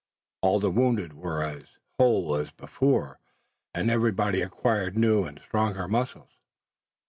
All the wounded were as whole as before, and everybody acquired new and stronger muscles.